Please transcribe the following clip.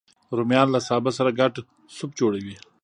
رومیان له سابه سره ګډ سوپ جوړوي